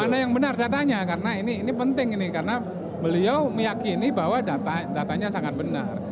karena mana yang benar datanya karena ini penting ini karena beliau meyakini bahwa datanya sangat benar